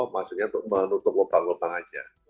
maksudnya untuk menutup lubang lubang saja